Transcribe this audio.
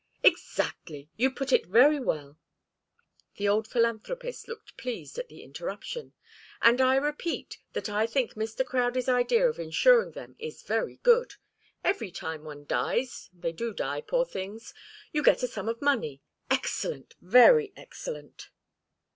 "Exactly. You put it very well." The old philanthropist looked pleased at the interruption. "And I repeat that I think Mr. Crowdie's idea of insuring them is very good. Every time one dies, they do die, poor things, you get a sum of money. Excellent, very excellent!"